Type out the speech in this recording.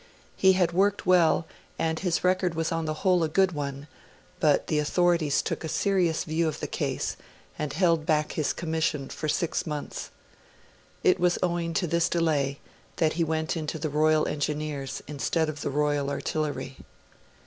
He had worked well, and his record was on the whole a good one; but the authorities took a serious view of the case, and held back his commission for six months. It was owing to this delay that he went into the Royal Engineers, instead of the Royal Artillery.